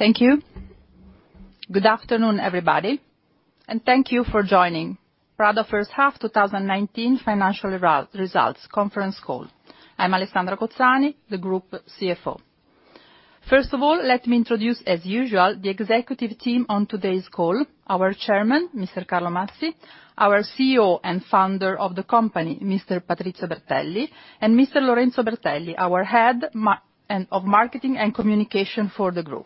Thank you. Good afternoon, everybody, and thank you for joining Prada first half 2019 financial results conference call. I'm Alessandra Cozzani, the Group CFO. First of all, let me introduce, as usual, the executive team on today's call, our Chairman, Mr. Carlo Mazzi, our CEO and Founder of the company, Mr. Patrizio Bertelli, and Mr. Lorenzo Bertelli, our Head of Marketing and Communication for the group.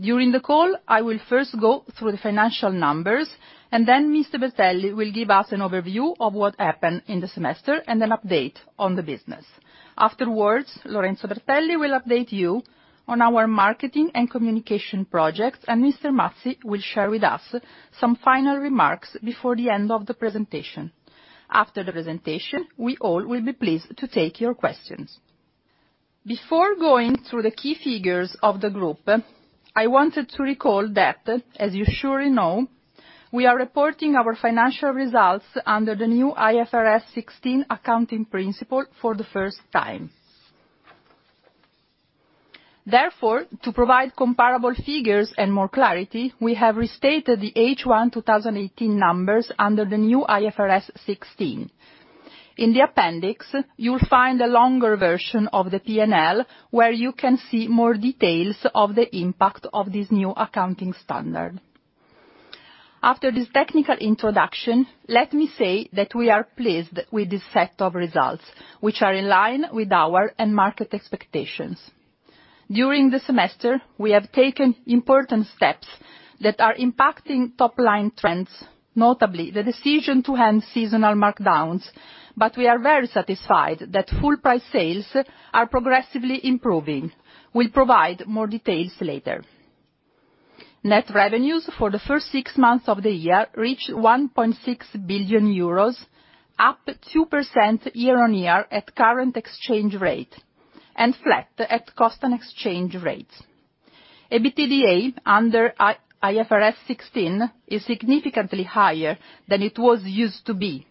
During the call, I will first go through the financial numbers, then Mr. Bertelli will give us an overview of what happened in the semester and an update on the business. Afterwards, Lorenzo Bertelli will update you on our marketing and communication projects, Mr. Mazzi will share with us some final remarks before the end of the presentation. After the presentation, we all will be pleased to take your questions. Before going through the key figures of the group, I wanted to recall that, as you surely know, we are reporting our financial results under the new IFRS 16 accounting principle for the first time. To provide comparable figures and more clarity, we have restated the H1 2018 numbers under the new IFRS 16. In the appendix, you'll find the longer version of the P&L, where you can see more details of the impact of this new accounting standard. After this technical introduction, let me say that we are pleased with this set of results, which are in line with our end market expectations. During the semester, we have taken important steps that are impacting top-line trends, notably the decision to end seasonal markdowns, we are very satisfied that full price sales are progressively improving. We'll provide more details later. Net revenues for the first six months of the year reached 1.6 billion euros, up 2% year-on-year at current exchange rate, and flat at cost and exchange rates. EBITDA under IFRS 16 is significantly higher than it was used to be.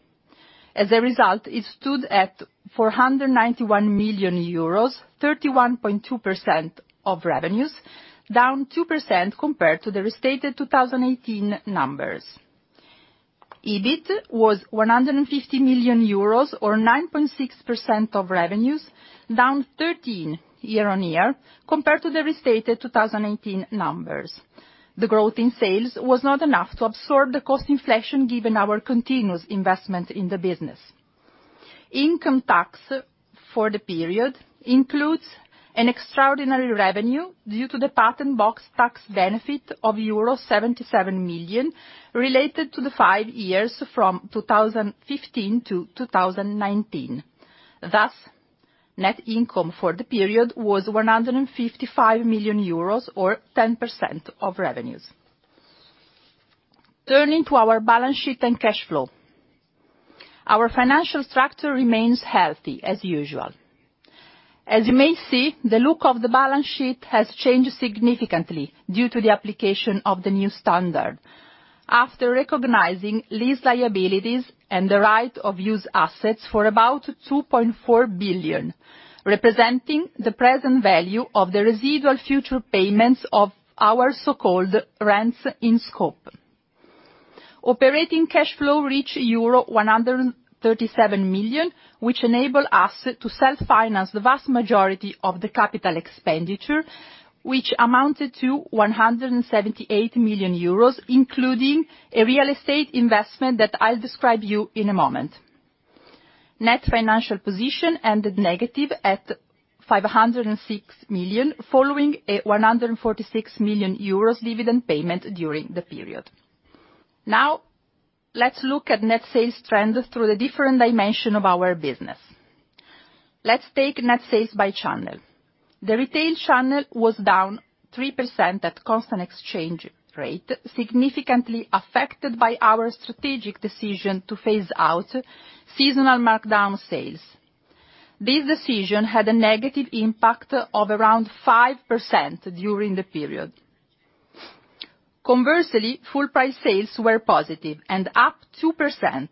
As a result, it stood at 491 million euros, 31.2% of revenues, down 2% compared to the restated 2018 numbers. EBIT was 150 million euros, or 9.6% of revenues, down 13% year-on-year compared to the restated 2018 numbers. The growth in sales was not enough to absorb the cost inflation given our continuous investment in the business. Income tax for the period includes an extraordinary revenue due to the patent box tax benefit of euro 77 million related to the five years from 2015 to 2019. Thus, net income for the period was 155 million euros, or 10% of revenues. Turning to our balance sheet and cash flow. Our financial structure remains healthy as usual. As you may see, the look of the balance sheet has changed significantly due to the application of the new standard. After recognizing lease liabilities and the right-of-use assets for about 2.4 billion, representing the present value of the residual future payments of our so-called rents in scope. Operating cash flow reached euro 137 million, which enable us to self-finance the vast majority of the capital expenditure, which amounted to 178 million euros, including a real estate investment that I'll describe you in a moment. Net financial position ended negative at 506 million, following a 146 million euros dividend payment during the period. Now, let's look at net sales trends through the different dimension of our business. Let's take net sales by channel. The retail channel was down 3% at constant exchange rate, significantly affected by our strategic decision to phase out seasonal markdown sales. This decision had a negative impact of around 5% during the period. Conversely, full price sales were positive and up 2%,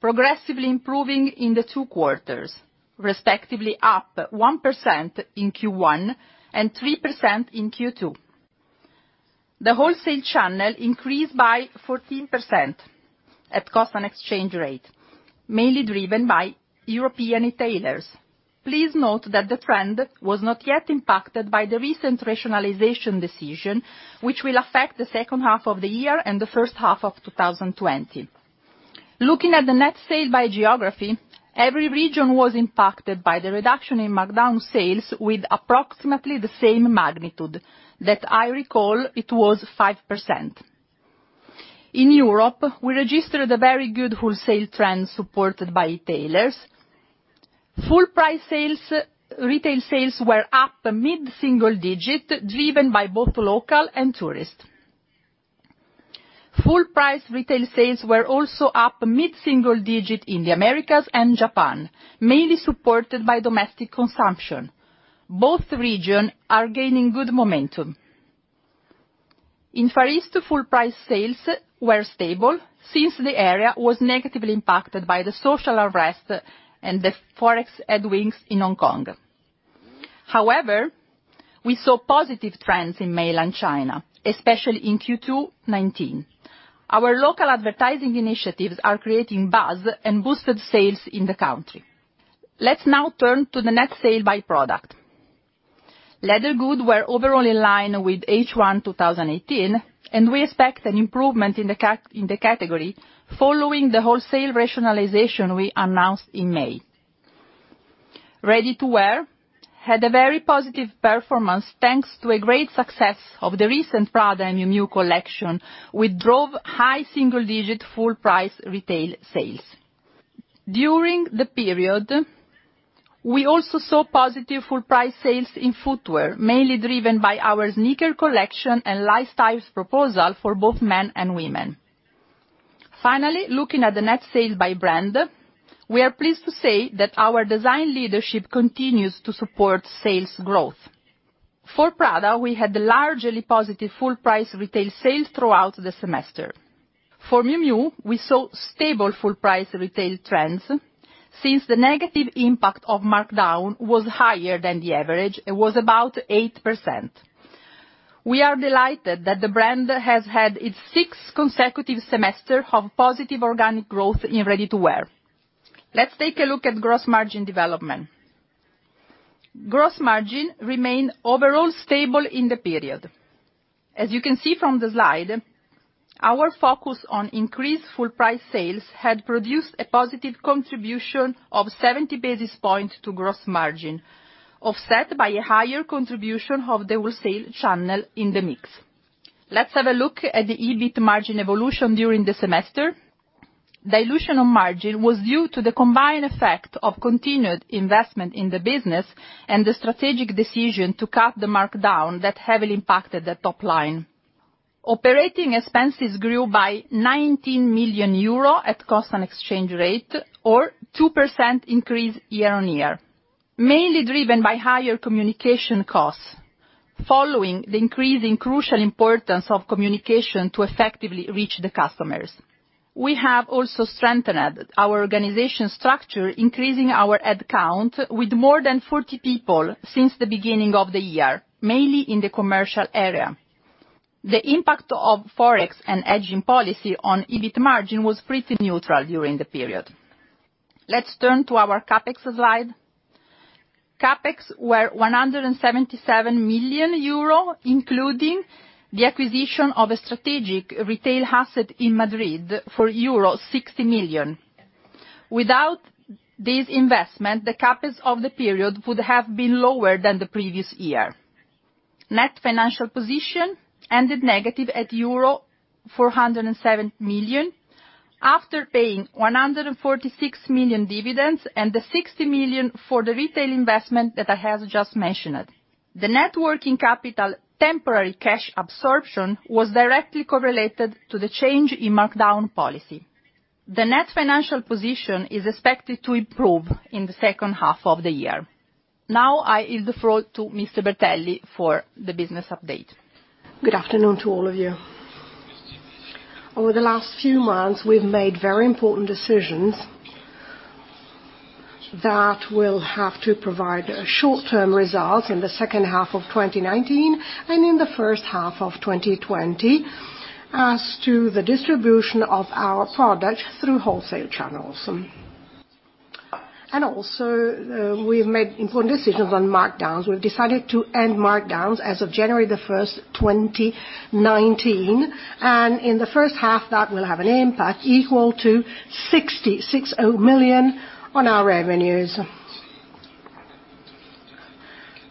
progressively improving in the two quarters, respectively up 1% in Q1 and 3% in Q2. The wholesale channel increased by 14% at constant exchange rate, mainly driven by European retailers. Please note that the trend was not yet impacted by the recent rationalization decision, which will affect the second half of the year and the first half of 2020. Looking at the net sales by geography, every region was impacted by the reduction in markdown sales with approximately the same magnitude. That I recall, it was 5%. In Europe, we registered a very good wholesale trend supported by retailers. Full price retail sales were up a mid-single digit, driven by both local and tourist. Full price retail sales were also up mid-single digit in the Americas and Japan, mainly supported by domestic consumption. Both regions are gaining good momentum. In Far East, full price sales were stable since the area was negatively impacted by the social unrest and the Forex headwinds in Hong Kong. We saw positive trends in mainland China, especially in Q2 2019. Our local advertising initiatives are creating buzz and boosted sales in the country. Let's now turn to the net sale by product. Leather goods were overall in line with H1 2018, and we expect an improvement in the category following the wholesale rationalization we announced in May. Ready-to-wear had a very positive performance, thanks to a great success of the recent Prada and Miu Miu collection, which drove high single-digit full price retail sales. During the period, we also saw positive full price sales in footwear, mainly driven by our sneaker collection and lifestyles proposal for both men and women. Looking at the net sales by brand, we are pleased to say that our design leadership continues to support sales growth. For Prada, we had largely positive full price retail sales throughout the semester. For Miu Miu, we saw stable full price retail trends since the negative impact of markdown was higher than the average. It was about 8%. We are delighted that the brand has had its sixth consecutive semester of positive organic growth in ready-to-wear. Let's take a look at gross margin development. Gross margin remained overall stable in the period. As you can see from the slide, our focus on increased full price sales had produced a positive contribution of 70 basis points to gross margin, offset by a higher contribution of the wholesale channel in the mix. Let's have a look at the EBIT margin evolution during the semester. Dilution on margin was due to the combined effect of continued investment in the business and the strategic decision to cut the markdown that heavily impacted the top line. Operating expenses grew by 19 million euro at cost and exchange rate, or 2% increase year-on-year, mainly driven by higher communication costs following the increase in crucial importance of communication to effectively reach the customers. We have also strengthened our organization structure, increasing our head count with more than 40 people since the beginning of the year, mainly in the commercial area. The impact of Forex and hedging policy on EBIT margin was pretty neutral during the period. Let's turn to our CapEx slide. CapEx were 177 million euro, including the acquisition of a strategic retail asset in Madrid for euro 60 million. Without this investment, the CapEx of the period would have been lower than the previous year. Net financial position ended negative at euro 407 million, after paying 146 million dividends and the 60 million for the retail investment that I have just mentioned. The net working capital temporary cash absorption was directly correlated to the change in markdown policy. The net financial position is expected to improve in the second half of the year. Now I yield the floor to Mr. Bertelli for the business update. Good afternoon to all of you. Over the last few months, we've made very important decisions that will have to provide short-term results in the second half of 2019 and in the first half of 2020 as to the distribution of our product through wholesale channels. Also, we've made important decisions on markdowns. We've decided to end markdowns as of January the 1st, 2019. In the first half, that will have an impact equal to 60 million on our revenues.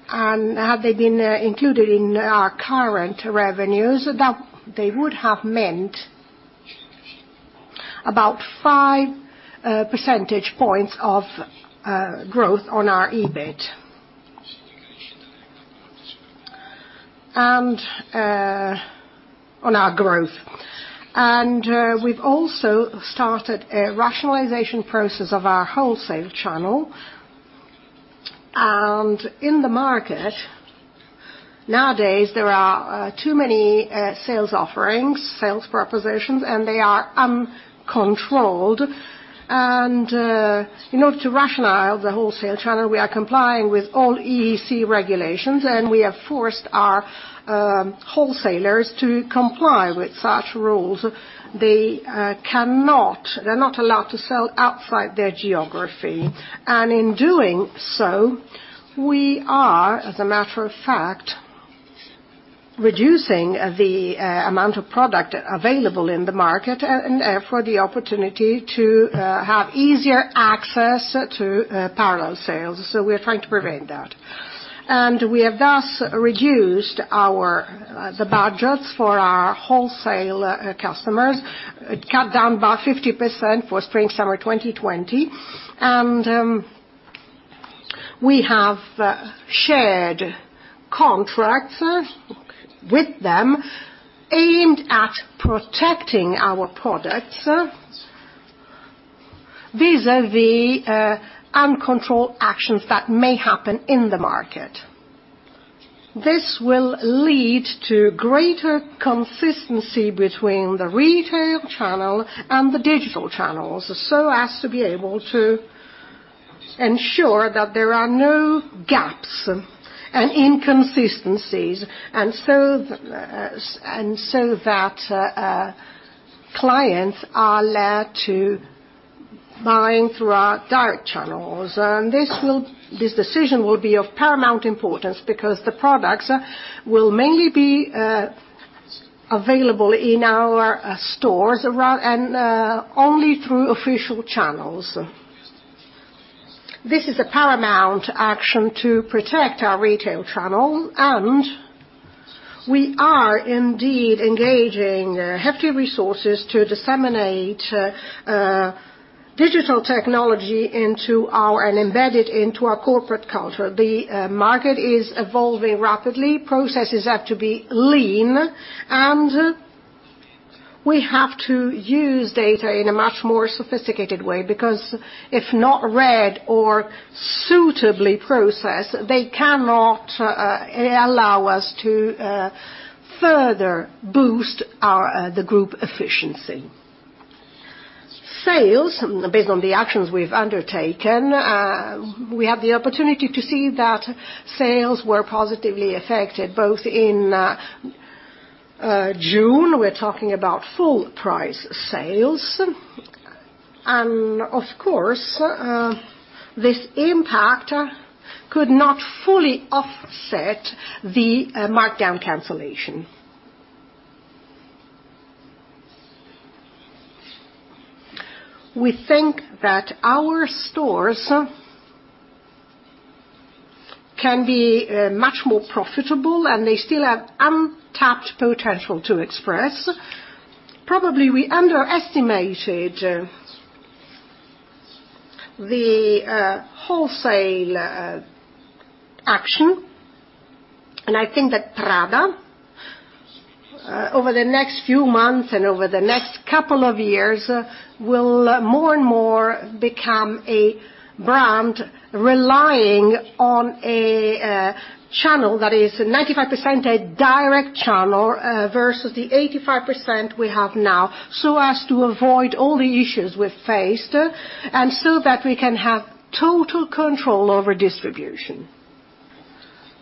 Had they been included in our current revenues, they would have meant about 5 percentage points of growth on our EBIT, on our growth. We've also started a rationalization process of our wholesale channel. In the market nowadays, there are too many sales offerings, sales propositions, and they are uncontrolled. In order to rationalize the wholesale channel, we are complying with all EEC regulations, and we have forced our wholesalers to comply with such rules. They're not allowed to sell outside their geography. In doing so, we are, as a matter of fact, reducing the amount of product available in the market and therefore the opportunity to have easier access to parallel sales. We're trying to prevent that. We have thus reduced the budgets for our wholesale customers, cut down by 50% for Spring/Summer 2020, and we have shared contracts with them aimed at protecting our products. These are the uncontrolled actions that may happen in the market. This will lead to greater consistency between the retail channel and the digital channels, so as to be able to ensure that there are no gaps and inconsistencies, that clients are led to buying through our direct channels. This decision will be of paramount importance because the products will mainly be available in our stores and only through official channels. This is a paramount action to protect our retail channel, we are indeed engaging hefty resources to disseminate digital technology and embed it into our corporate culture. The market is evolving rapidly. Processes have to be lean, we have to use data in a much more sophisticated way, because if not read or suitably processed, they cannot allow us to further boost the group efficiency. Sales, based on the actions we've undertaken, we have the opportunity to see that sales were positively affected both in June, we're talking about full price sales. Of course, this impact could not fully offset the markdown cancellation. We think that our stores can be much more profitable, and they still have untapped potential to express. Probably, we underestimated the wholesale action. I think that Prada, over the next few months and over the next couple of years, will more and more become a brand relying on a channel that is 95% a direct channel versus the 85% we have now, so as to avoid all the issues we've faced, and so that we can have total control over distribution.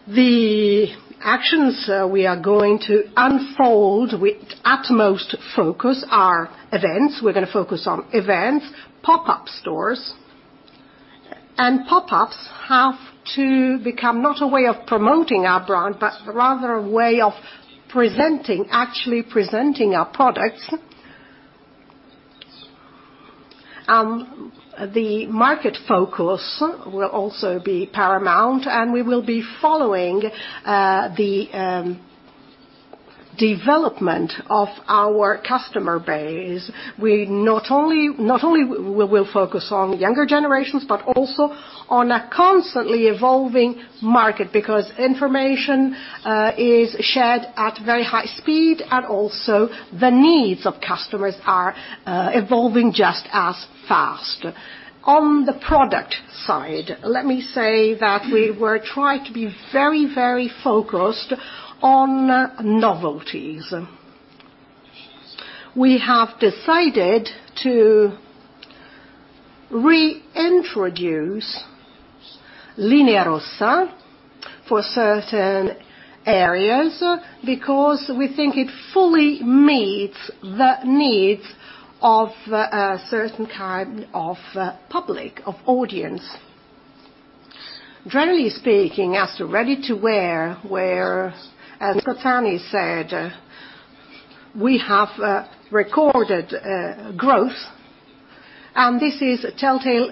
The actions we are going to unfold with utmost focus are events. We're going to focus on events, pop-up stores. Pop-ups have to become not a way of promoting our brand, but rather a way of actually presenting our products. The market focus will also be paramount, and we will be following the development of our customer base. Not only we'll focus on younger generations, but also on a constantly evolving market, because information is shared at very high speed, and also the needs of customers are evolving just as fast. On the product side, let me say that we will try to be very focused on novelties. We have decided to reintroduce Linea Rossa for certain areas, because we think it fully meets the needs of a certain kind of public, of audience. Generally speaking, as to ready-to-wear, where Ms. Cozzani said we have recorded growth, and this is telltale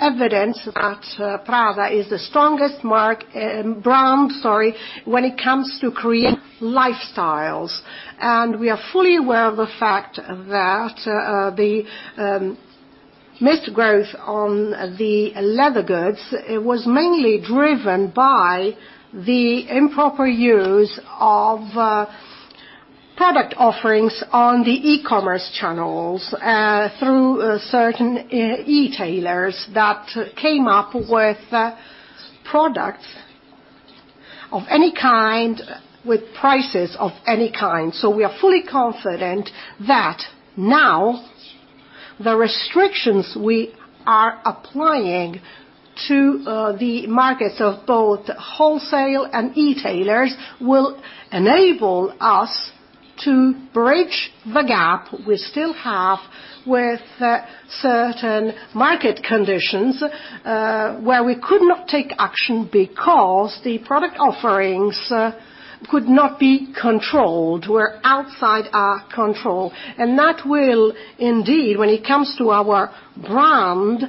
evidence that Prada is the strongest brand when it comes to creating lifestyles. We are fully aware of the fact that the missed growth on the leather goods was mainly driven by the improper use of product offerings on the e-commerce channels, through certain e-tailers that came up with products of any kind, with prices of any kind. We are fully confident that now, the restrictions we are applying to the markets of both wholesale and e-tailers will enable us to bridge the gap we still have with certain market conditions where we could not take action because the product offerings could not be controlled, were outside our control. That will, indeed, when it comes to our brand,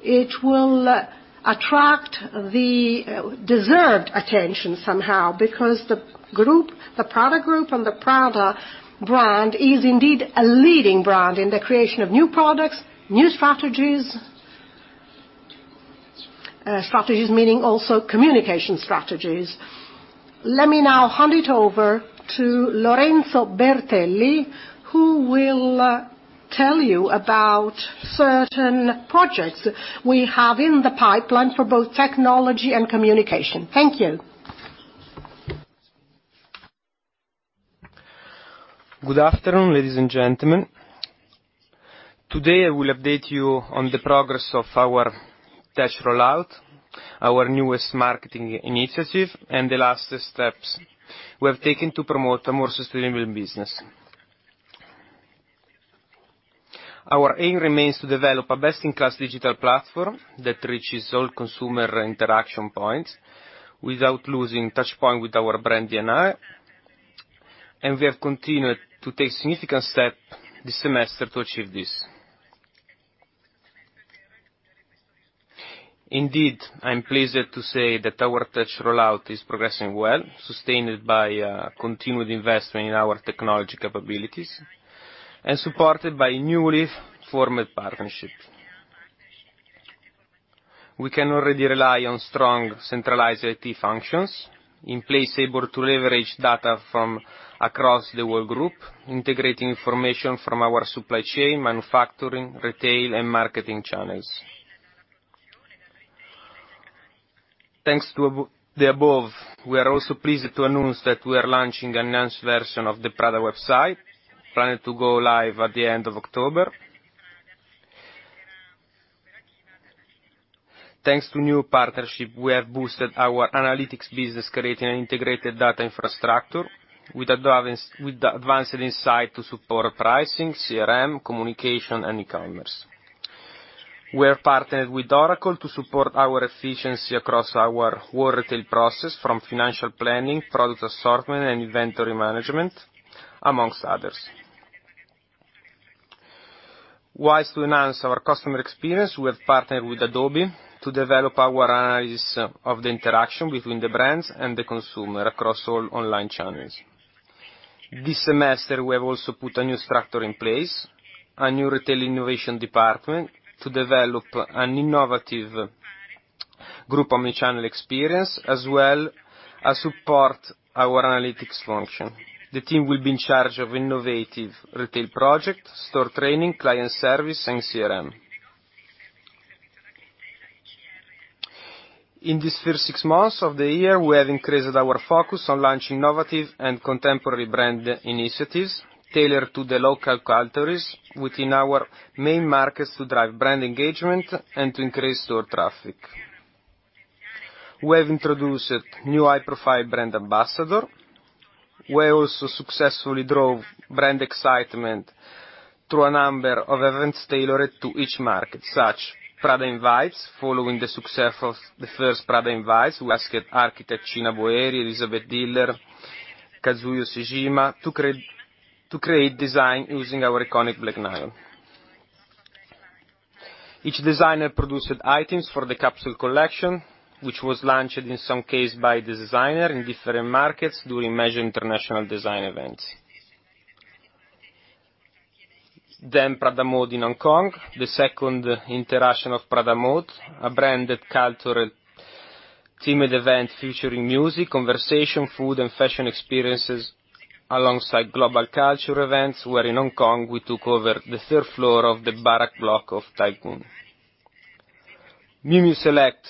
it will attract the deserved attention somehow, because the product group and the Prada brand is indeed a leading brand in the creation of new products, new strategies, meaning also communication strategies. Let me now hand it over to Lorenzo Bertelli, who will tell you about certain projects we have in the pipeline for both technology and communication. Thank you. Good afternoon, ladies and gentlemen. Today, I will update you on the progress of our tech rollout, our newest marketing initiative, and the last steps we have taken to promote a more sustainable business. Our aim remains to develop a best-in-class digital platform that reaches all consumer interaction points without losing touch point with our brand DNA, and we have continued to take significant steps this semester to achieve this. Indeed, I'm pleased to say that our tech rollout is progressing well, sustained by continued investment in our technology capabilities and supported by newly formed partnerships. We can already rely on strong centralized IT functions in place able to leverage data from across the whole group, integrating information from our supply chain, manufacturing, retail, and marketing channels. Thanks to the above, we are also pleased to announce that we are launching an enhanced version of the Prada website, planned to go live at the end of October. Thanks to new partnership, we have boosted our analytics business, creating an integrated data infrastructure with advanced insight to support pricing, CRM, communication, and e-commerce. We have partnered with Oracle to support our efficiency across our whole retail process from financial planning, product assortment, and inventory management, amongst others. While to enhance our customer experience, we have partnered with Adobe to develop our analysis of the interaction between the brands and the consumer across all online channels. This semester, we have also put a new structure in place, a new retail innovation department to develop an innovative group omnichannel experience, as well as support our analytics function. The team will be in charge of innovative retail project, store training, client service, and CRM. In these first six months of the year, we have increased our focus on launching innovative and contemporary brand initiatives tailored to the local cultures within our main markets to drive brand engagement and to increase store traffic. We have introduced new high-profile brand ambassador. We also successfully drove brand excitement through a number of events tailored to each market, such Prada Invites, following the success of the first Prada Invites. We asked architect Cini Boeri, Elizabeth Diller, Kazuyo Sejima to create design using our iconic black nylon. Each designer produced items for the capsule collection, which was launched in some case by the designer in different markets during major international design events. Prada Mode in Hong Kong, the second iteration of Prada Mode, a branded cultural themed event featuring music, conversation, food, and fashion experiences alongside global cultural events, where in Hong Kong, we took over the third floor of the Barrack Block of Tai Kwun. Miu Miu Select.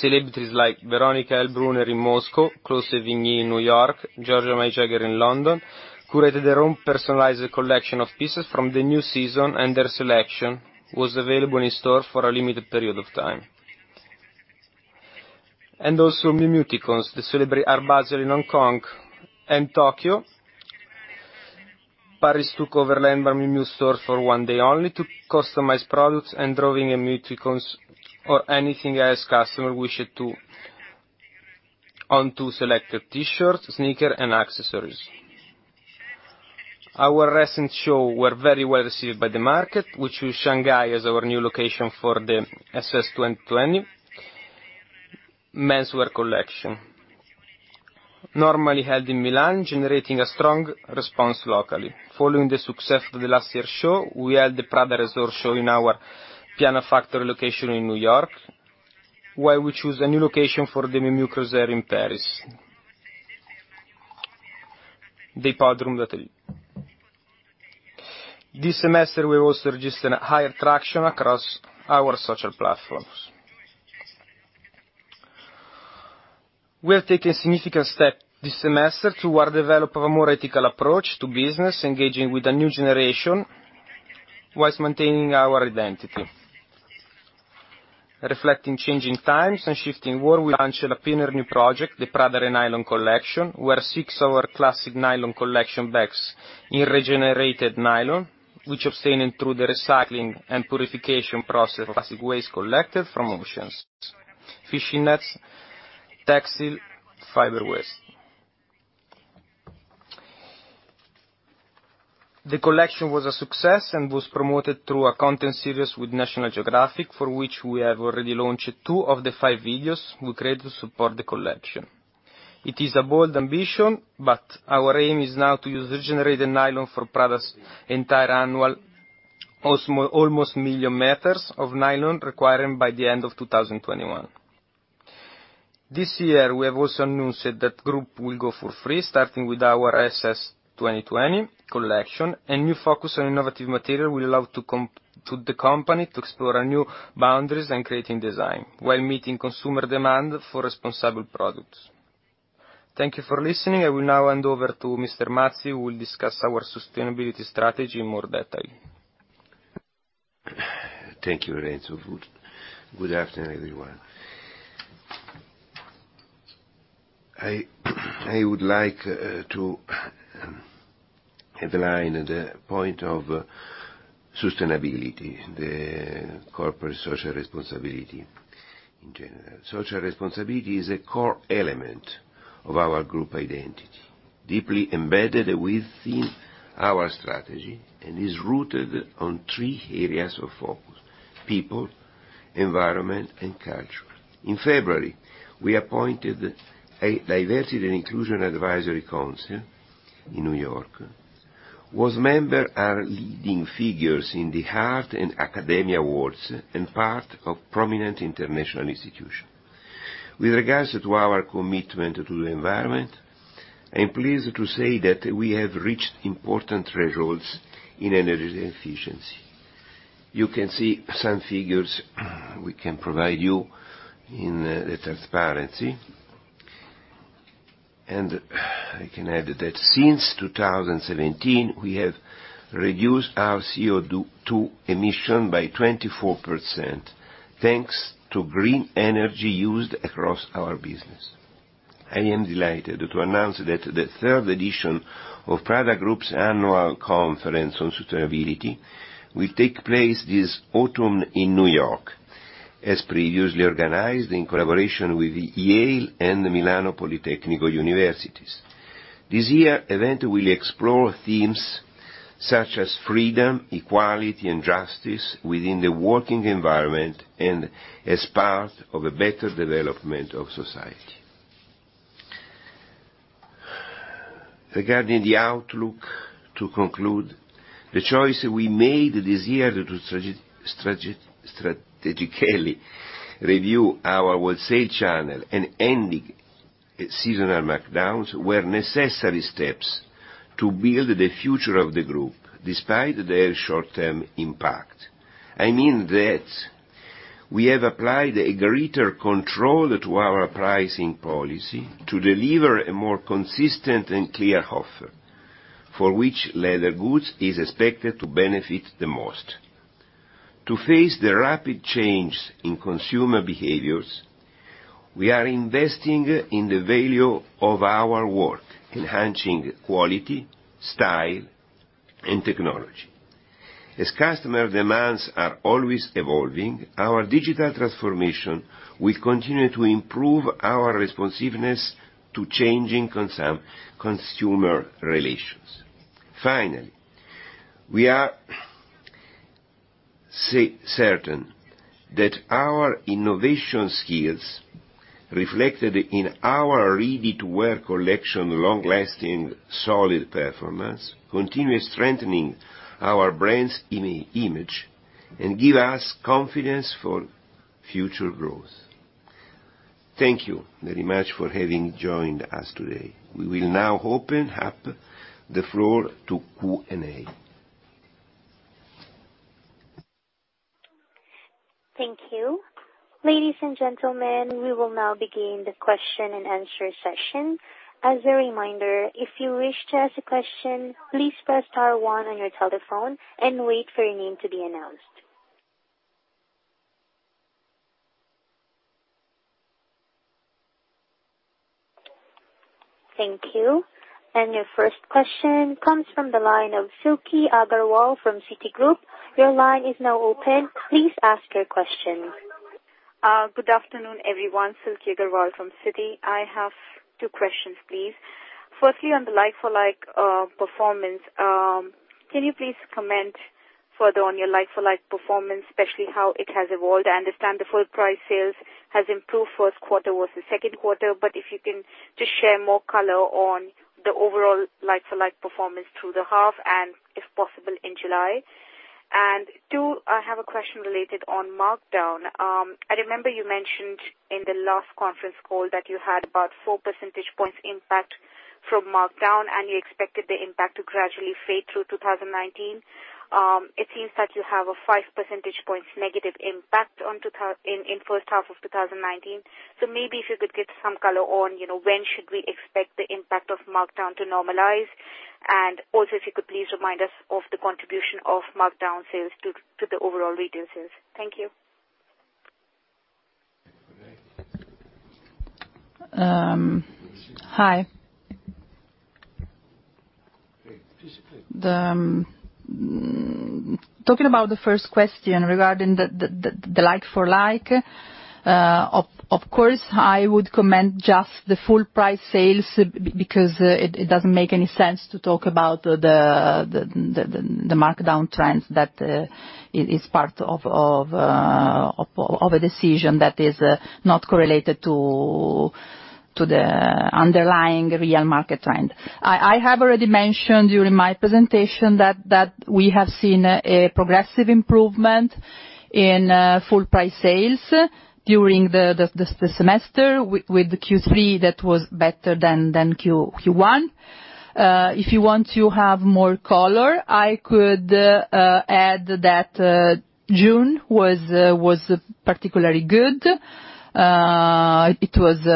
Celebrities like Veronika Heilbrunner in Moscow, Chloë Sevigny in New York, Georgia May Jagger in London curated their own personalized collection of pieces from the new season, and their selection was available in store for a limited period of time. Also Miu Micons, the celebrity art buzzer in Hong Kong and Tokyo. Paris took over Miu Miu store for one day only to customize products and drawing a Miu Micons or anything else customer wished to onto selected T-shirts, sneaker, and accessories. Our recent show were very well received by the market, which choose Shanghai as our new location for the SS20 menswear collection. Normally held in Milan, generating a strong response locally. Following the success of the last year's show, we held the Prada Resort show in our piano factory location in New York, while we choose a new location for the Miu Miu Cruise there in Paris, Hôtel Regina. This semester, we also registered a higher traction across our social platforms. We have taken significant steps this semester toward developing a more ethical approach to business, engaging with a new generation whilst maintaining our identity. Reflecting changing times and shifting world, we launched a pioneer new project, the Prada Re-Nylon collection, where six of our classic nylon collection bags in regenerated nylon, which obtained through the recycling and purification process of plastic waste collected from oceans, fishing nets, textile, fiber waste. The collection was a success and was promoted through a content series with National Geographic, for which we have already launched two of the five videos we created to support the collection. It is a bold ambition, but our aim is now to use regenerated nylon for Prada's entire annual almost million meters of nylon requirement by the end of 2021. This year, we have also announced that group will go fur-free, starting with our SS 2020 collection. A new focus on innovative material will allow the company to explore new boundaries and creating design, while meeting consumer demand for responsible products. Thank you for listening. I will now hand over to Mr. Mazzi, who will discuss our sustainability strategy in more detail. Thank you, Lorenzo. Good afternoon, everyone. I would like to headline the point of sustainability, the corporate social responsibility in general. Social responsibility is a core element of our group identity, deeply embedded within our strategy, and is rooted on three areas of focus: people, environment, and culture. In February, we appointed a diversity and inclusion advisory council in New York, whose members are leading figures in the heart and academia worlds and part of prominent international institutions. With regards to our commitment to the environment, I am pleased to say that we have reached important thresholds in energy efficiency. You can see some figures we can provide you in the transparency. I can add that since 2017, we have reduced our CO2 emission by 24%, thanks to green energy used across our business. I am delighted to announce that the third edition of Prada Group's annual conference on sustainability will take place this autumn in New York, as previously organized in collaboration with Yale and Politecnico di Milano universities. This year, event will explore themes such as freedom, equality, and justice within the working environment and as part of a better development of society. Regarding the outlook to conclude, the choice we made this year to strategically review our wholesale channel and ending seasonal markdowns were necessary steps to build the future of the group despite their short-term impact. I mean that we have applied a greater control to our pricing policy to deliver a more consistent and clear offer, for which leather goods is expected to benefit the most. To face the rapid change in consumer behaviors, we are investing in the value of our work, enhancing quality, style, and technology. As customer demands are always evolving, our digital transformation will continue to improve our responsiveness to changing consumer relations. Finally, we are certain that our innovation skills, reflected in our ready-to-wear collection long-lasting, solid performance, continue strengthening our brand's image and give us confidence for future growth. Thank you very much for having joined us today. We will now open up the floor to Q&A. Thank you. Ladies and gentlemen, we will now begin the question-and-answer session. As a reminder, if you wish to ask a question, please press star one on your telephone and wait for your name to be announced. Thank you. Your first question comes from the line of Silky Agarwal from Citigroup. Your line is now open. Please ask your question. Good afternoon, everyone. Silky Agarwal from Citi. I have two questions, please. Firstly, on the like-for-like performance, can you please comment further on your like-for-like performance, especially how it has evolved? I understand the full price sales has improved first quarter versus second quarter, but if you can just share more color on the overall like-for-like performance through the half and, if possible, in July. Two, I have a question related on markdown. I remember you mentioned in the last conference call that you had about four percentage points impact from markdown, and you expected the impact to gradually fade through 2019. It seems that you have a 5 percentage points negative impact in first half of 2019. Maybe if you could give some color on when should we expect the impact of markdown to normalize, and also, if you could please remind us of the contribution of markdown sales to the overall retail sales. Thank you. Okay. Hi. Please, speak. Talking about the first question regarding the like-for-like, of course, I would comment just the full price sales because it doesn't make any sense to talk about the markdown trends that is part of a decision that is not correlated to the underlying real market trend. I have already mentioned during my presentation that we have seen a progressive improvement in full price sales during the semester with Q2 that was better than Q1. If you want to have more color, I could add that June was particularly good. It was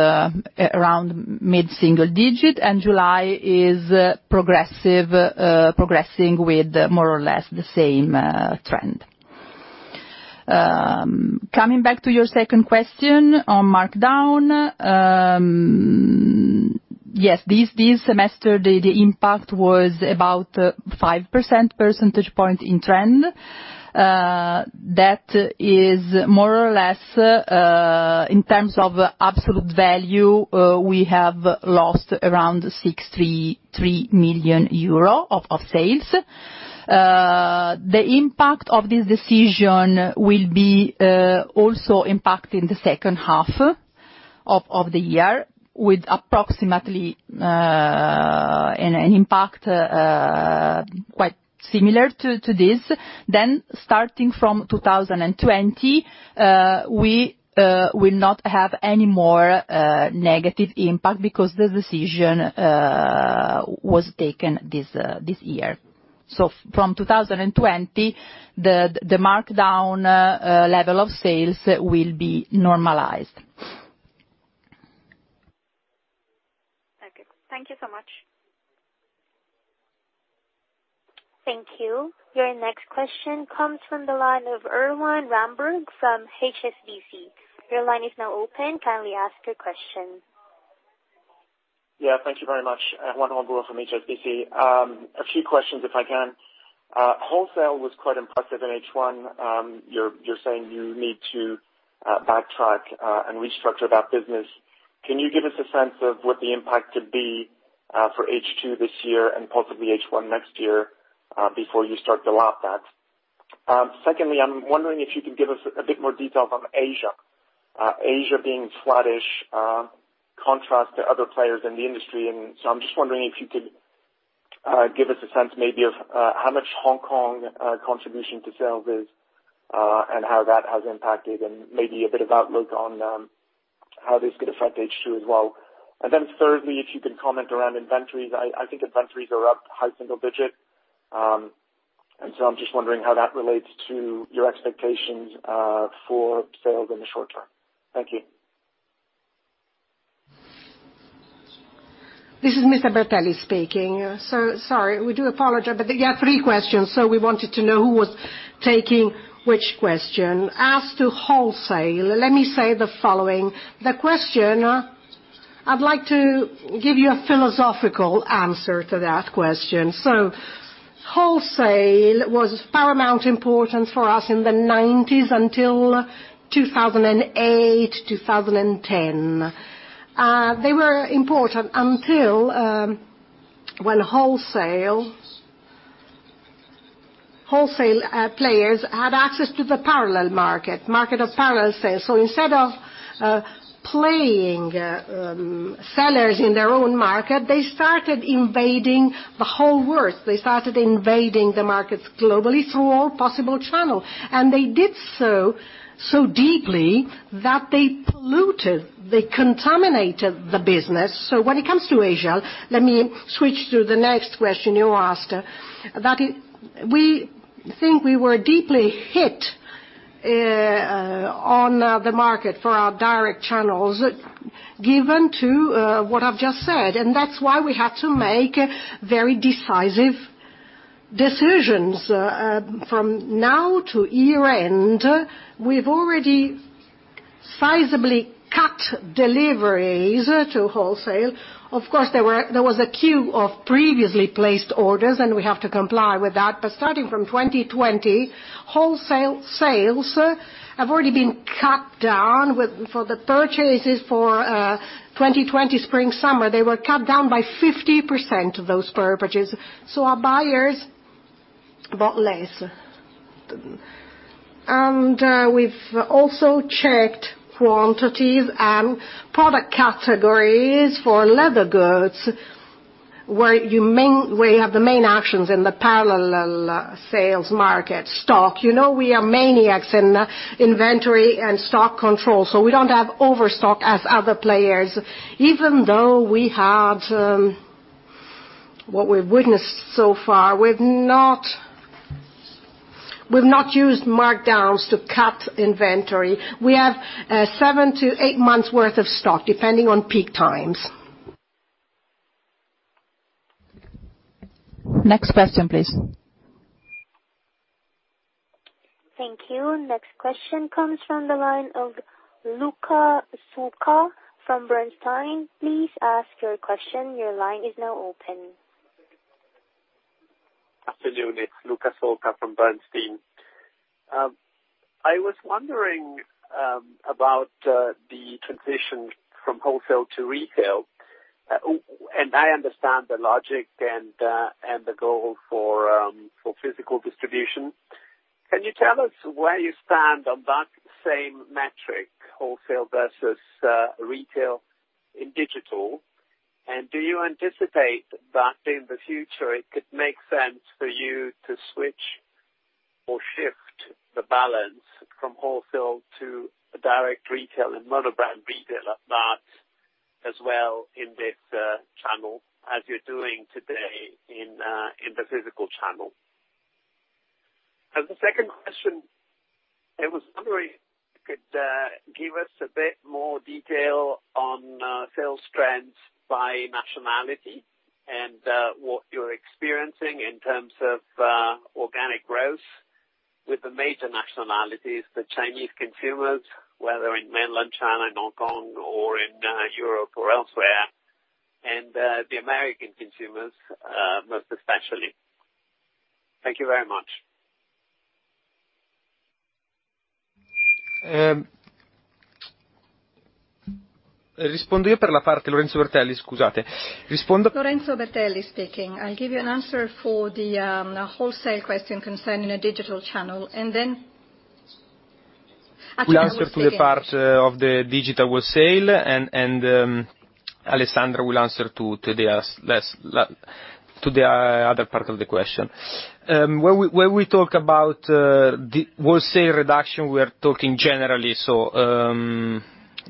around mid-single digit, and July is progressing with more or less the same trend. Coming back to your second question on markdown. Yes, this semester, the impact was about 5 percentage point in trend. That is more or less, in terms of absolute value, we have lost around 63 million euro of sales. The impact of this decision will be also impact in the second half of the year with approximately an impact quite similar to this. Starting from 2020, we will not have any more negative impact because the decision was taken this year. From 2020, the markdown level of sales will be normalized. Okay. Thank you so much. Thank you. Your next question comes from the line of Erwan Rambourg from HSBC. Your line is now open. Kindly ask your question. Thank you very much. Erwan Rambourg from HSBC. A few questions, if I can. Wholesale was quite impressive in H1. You're saying you need to backtrack and restructure that business. Can you give us a sense of what the impact could be for H2 this year and possibly H1 next year before you start to lap that? Secondly, I'm wondering if you can give us a bit more detail from Asia. Asia being flattish contrast to other players in the industry, and so I'm just wondering if you could give us a sense maybe of how much Hong Kong contribution to sales is, and how that has impacted and maybe a bit of outlook on how this could affect H2 as well. Thirdly, if you can comment around inventories. I think inventories are up high single digit. I'm just wondering how that relates to your expectations for sales in the short term. Thank you. This is Mr. Bertelli speaking. Sorry, we do apologize, you have three questions, we wanted to know who was taking which question. As to wholesale, let me say the following. I'd like to give you a philosophical answer to that question. Wholesale was paramount important for us in the '90s until 2008, 2010. They were important until when wholesale players had access to the parallel market of parallel sales. Instead of playing sellers in their own market, they started invading the whole world. They started invading the markets globally through all possible channel. They did so deeply that they polluted, they contaminated the business. When it comes to Asia, let me switch to the next question you asked. That we think we were deeply hit on the market for our direct channels given to what I've just said. That's why we had to make very decisive decisions. From now to year-end, we've already sizably cut deliveries to wholesale. Of course, there was a queue of previously placed orders, and we have to comply with that. Starting from 2020, wholesale sales have already been cut down. For the purchases for 2020 Spring/Summer, they were cut down by 50% of those purchases. So our buyers bought less. We've also checked quantities and product categories for leather goods, where you have the main actions in the parallel sales market stock. You know we are maniacs in inventory and stock control, so we don't have overstock as other players. Even though we had what we've witnessed so far, we've not used markdowns to cut inventory. We have seven to eight months worth of stock, depending on peak times. Next question, please. Thank you. Next question comes from the line of Luca Solca from Bernstein. Please ask your question. Your line is now open. Afternoon, it's Luca Solca from Bernstein. I was wondering about the transition from wholesale to retail. I understand the logic and the goal for physical distribution Can you tell us where you stand on that same metric, wholesale versus retail in digital? Do you anticipate that in the future it could make sense for you to switch or shift the balance from wholesale to direct retail and monobrand retail at that as well in this channel as you're doing today in the physical channel? I was wondering if you could give us a bit more detail on sales trends by nationality and what you're experiencing in terms of organic growth with the major nationalities, the Chinese consumers, whether in mainland China, in Hong Kong, or in Europe or elsewhere, and the American consumers, most especially? Thank you very much. I'll give you an answer for the wholesale question concerning a digital channel. Actually, I will start again. Will answer to the part of the digital wholesale. Alessandra will answer to the other part of the question. When we talk about the wholesale reduction, we're talking generally, so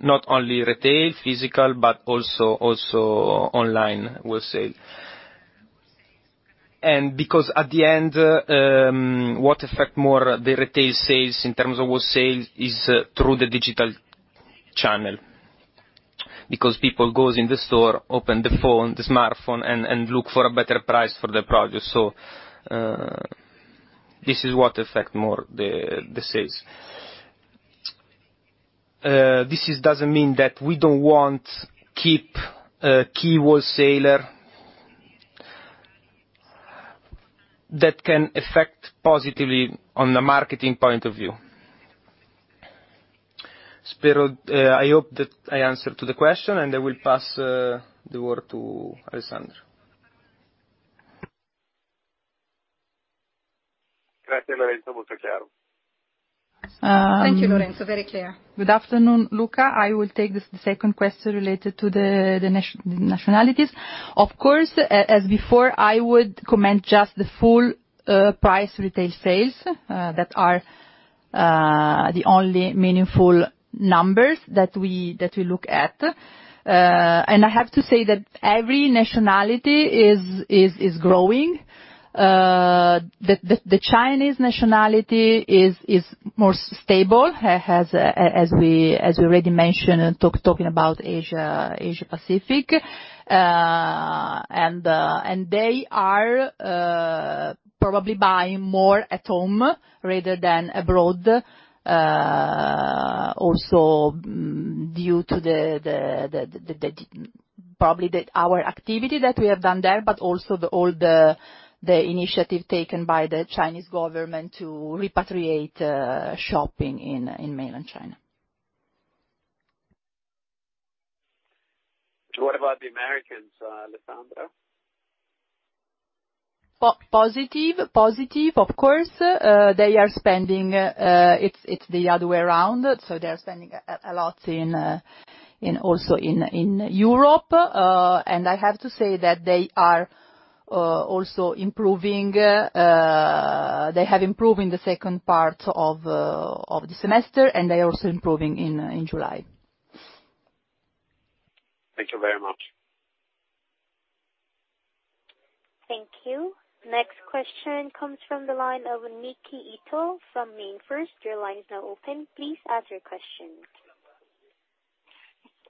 not only retail physical, but also online wholesale. Because at the end, what affect more the retail sales in terms of wholesale is through the digital channel. Because people go in the store, open the phone, the smartphone, and look for a better price for the product. This is what affect more the sales. This doesn't mean that we don't want keep a key wholesaler that can affect positively on the marketing point of view. Solca, I hope that I answered to the question, and I will pass the word to Alessandra. Thank you, Lorenzo. Very clear. Good afternoon, Luca. I will take the second question related to the nationalities. Of course, as before, I would comment just the full price retail sales, that are the only meaningful numbers that we look at. I have to say that every nationality is growing. The Chinese nationality is more stable, as we already mentioned talking about Asia Pacific. They are probably buying more at home rather than abroad, also due to probably our activity that we have done there, but also all the initiative taken by the Chinese government to repatriate shopping in mainland China. What about the Americans, Alessandra? Positive, of course. They are spending, it's the other way around. They're spending a lot also in Europe. I have to say that they are also improving. They have improved in the second part of the semester, and they're also improving in July. Thank you very much. Thank you. Next question comes from the line of Miki Ito from MainFirst. Your line is now open. Please ask your question.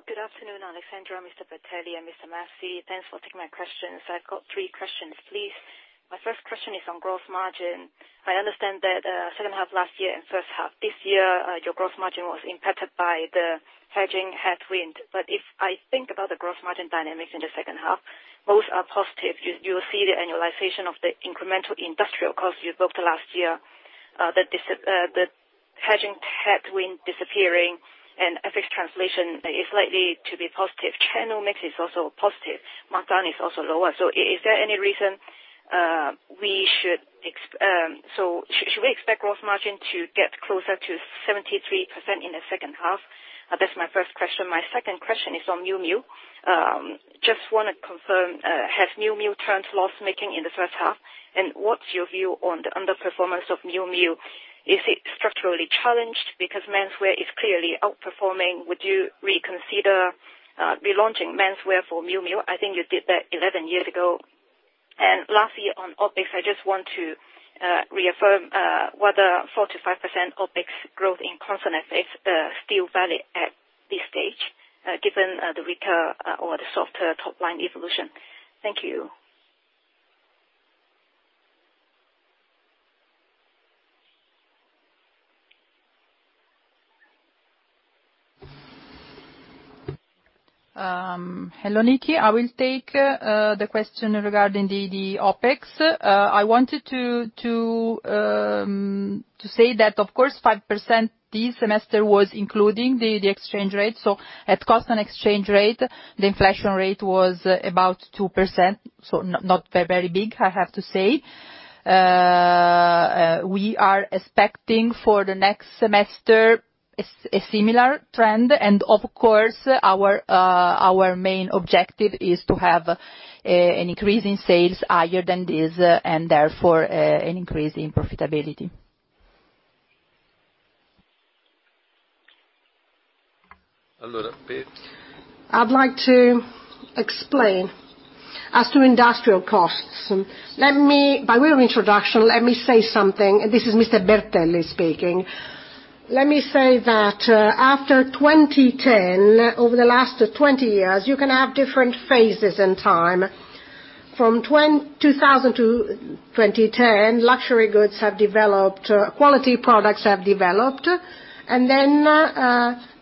Good afternoon, Alessandra, Mr. Bertelli and Mr. Mazzi. Thanks for taking my questions. I've got three questions, please. My first question is on gross margin. I understand that second half last year and first half this year, your gross margin was impacted by the hedging headwind. If I think about the gross margin dynamics in the second half, those are positive. You will see the annualization of the incremental industrial cost you booked last year, the hedging headwind disappearing, and FX translation is likely to be positive. Channel mix is also positive. Markdown is also lower. Should we expect gross margin to get closer to 73% in the second half? That's my first question. My second question is on Miu Miu. Just want to confirm, has Miu Miu turned loss-making in the first half? What's your view on the underperformance of Miu Miu? Is it structurally challenged? Because menswear is clearly outperforming. Would you reconsider relaunching menswear for Miu Miu? I think you did that 11 years ago. Lastly, on OpEx, I just want to reaffirm whether 4%-5% OpEx growth in constant FX still valid at this stage, given the weaker or the softer top-line evolution. Thank you. Hello, Miki. I will take the question regarding the OpEx. I wanted to say that of course 5% this semester was including the exchange rate. At cost and exchange rate, the inflation rate was about 2%, not very big, I have to say. We are expecting for the next semester a similar trend. Of course, our main objective is to have an increase in sales higher than this, and therefore an increase in profitability. I'd like to explain. As to industrial costs, by way of introduction, let me say something. This is Mr. Bertelli speaking. Let me say that after 2010, over the last 20 years, you can have different phases in time. From 2000 to 2010, luxury goods have developed, quality products have developed, and then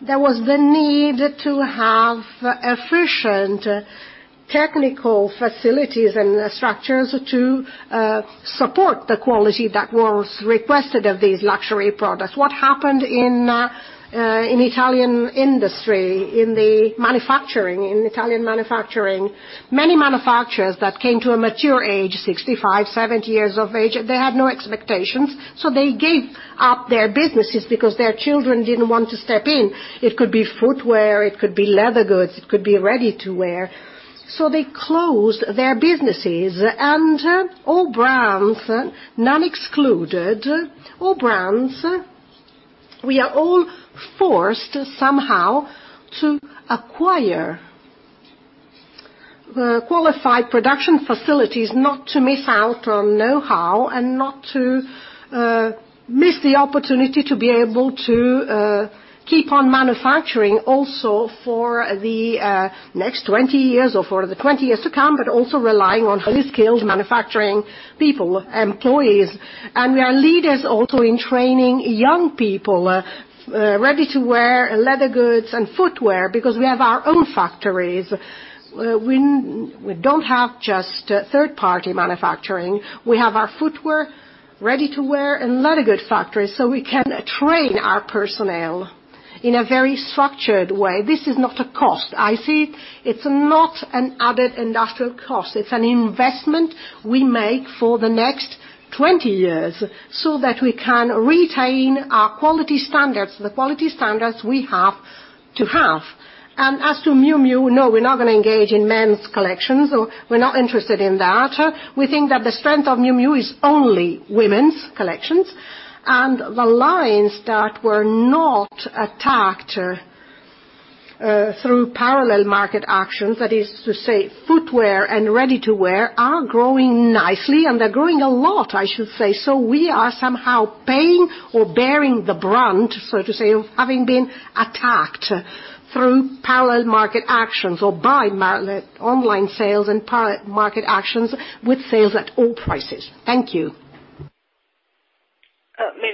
there was the need to have efficient technical facilities and structures to support the quality that was requested of these luxury products. What happened in Italian industry, in the manufacturing, in Italian manufacturing, many manufacturers that came to a mature age, 65, 70 years of age, they had no expectations, so they gave up their businesses because their children didn't want to step in. It could be footwear, it could be leather goods, it could be ready-to-wear. They closed their businesses. All brands, none excluded, all brands, we are all forced somehow to acquire qualified production facilities, not to miss out on know-how and not to miss the opportunity to be able to keep on manufacturing also for the next 20 years or for the 20 years to come, but also relying on highly skilled manufacturing people, employees. We are leaders also in training young people, ready-to-wear leather goods and footwear because we have our own factories. We don't have just third-party manufacturing. We have our footwear, ready-to-wear, and leather goods factories so we can train our personnel in a very structured way. This is not a cost. I see it's not an added industrial cost. It's an investment we make for the next 20 years so that we can retain our quality standards, the quality standards we have to have. As to Miu Miu, no, we're not going to engage in men's collections. We're not interested in that. We think that the strength of Miu Miu is only women's collections. The lines that were not attacked through parallel market actions, that is to say, footwear and ready-to-wear, are growing nicely, and they're growing a lot, I should say. We are somehow paying or bearing the brunt, so to say, of having been attacked through parallel market actions or by online sales and parallel market actions with sales at all prices. Thank you.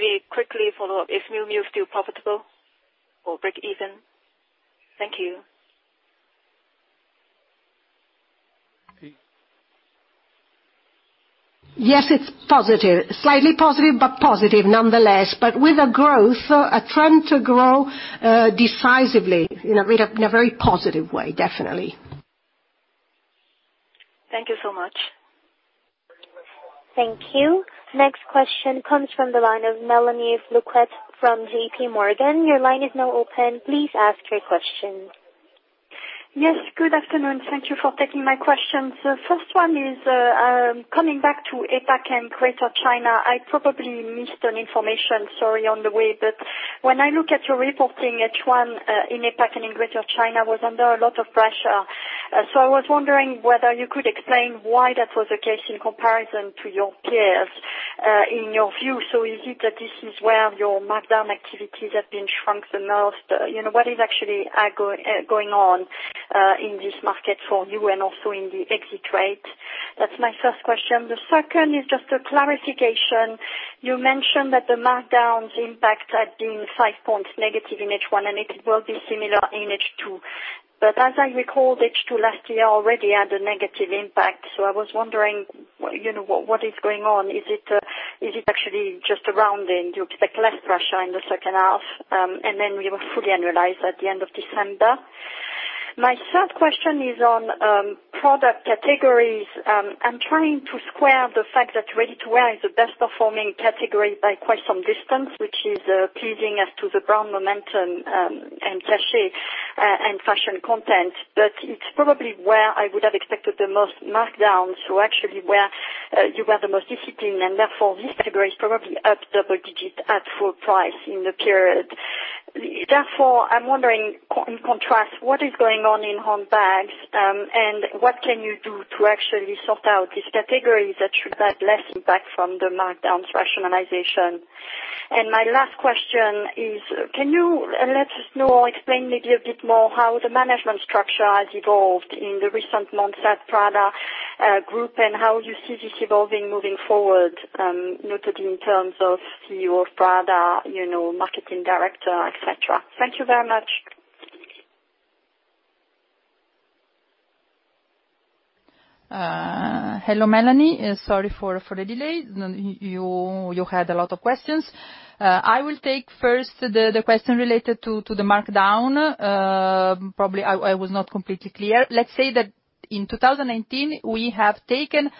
Maybe quickly follow up. Is Miu Miu still profitable or breakeven? Thank you. Yes, it's positive. Slightly positive, but positive nonetheless. With a growth, a trend to grow decisively in a very positive way, definitely. Thank you so much. Thank you. Next question comes from the line of Melanie Luquet from JPMorgan. Your line is now open. Please ask your question. Good afternoon. Thank you for taking my questions. First one is, coming back to APAC and Greater China. I probably missed an information, sorry, on the way, but when I look at your reporting, H1 in APAC and in Greater China was under a lot of pressure. I was wondering whether you could explain why that was the case in comparison to your peers, in your view. Is it that this is where your markdown activities have been shrunk the most? What is actually going on in this market for you and also in the exit rate? That's my first question. The second is just a clarification. You mentioned that the markdowns impact had been five points negative in H1 and it will be similar in H2. As I recall, H2 last year already had a negative impact. I was wondering, what is going on? Is it actually just a rounding? Do you expect less pressure in the second half, and then we will fully analyze at the end of December? My third question is on product categories. I'm trying to square the fact that ready-to-wear is the best performing category by quite some distance, which is pleasing as to the brand momentum, and cachet, and fashion content. It's probably where I would have expected the most markdowns, so actually where you were the most disciplined, and therefore this category is probably up double-digit at full price in the period. Therefore, I'm wondering, in contrast, what is going on in handbags, and what can you do to actually sort out this category that should have less impact from the markdowns rationalization? My last question is, can you let us know or explain maybe a bit more how the management structure has evolved in the recent months at Prada Group and how you see this evolving moving forward, notably in terms of CEO of Prada, marketing director, et cetera. Thank you very much. Hello, Melanie. Sorry for the delay. You had a lot of questions. I will take first the question related to the markdown. Probably I was not completely clear. Let's say that in 2019, we have taken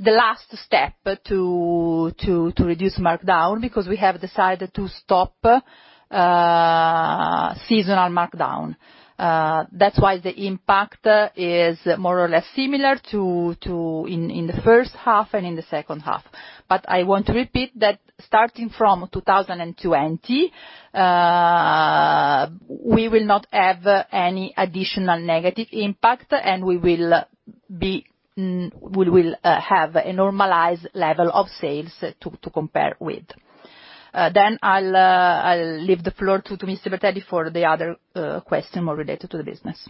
the last step to reduce markdown, because we have decided to stop seasonal markdown. That's why the impact is more or less similar in the first half and in the second half. I want to repeat that starting from 2020, we will not have any additional negative impact, and we will have a normalized level of sales to compare with. I'll leave the floor to Mr. Bertelli for the other question more related to the business.